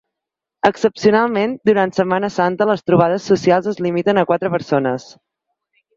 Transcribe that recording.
Excepcionalment, durant Setmana Santa les trobades socials es limiten a quatre persones.